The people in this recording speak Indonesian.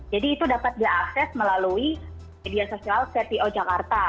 jadi itu dapat diakses melalui media sosial kto jakarta